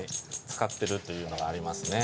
使ってるというのがありますね。